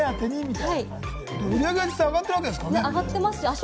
売り上げが上がっているわけですからね。